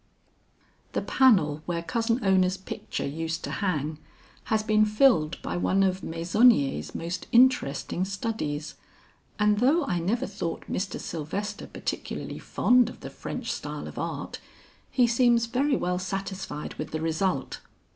"The panel where Cousin Ona's picture used to hang, has been filled by one of Meissonier's most interesting studies; and though I never thought Mr. Sylvester particularly fond of the French style of art, he seems very well satisfied with the result.